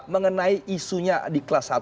mengenai isunya di kelas satu